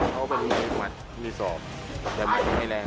เขาเป็นหวัดมีสอบแต่มันไม่มีแรง